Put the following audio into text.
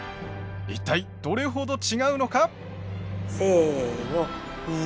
一体どれほど違うのか？